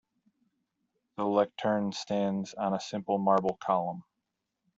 The lectern stands on a simple marble column.